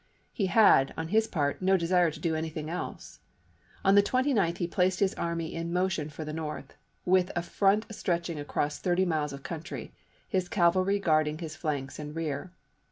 He had, on his part, no desire to June, 1863. do anything else. On the 29th he placed his army in motion for the North, with a front stretching across thirty miles of country, his cavalry guarding his flanks and rear.